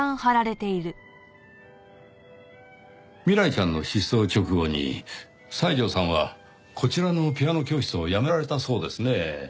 未来ちゃんの失踪直後に西條さんはこちらのピアノ教室をやめられたそうですねぇ。